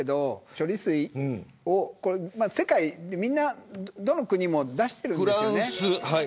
処理水を世界でみんなどの国も出してるんですよね。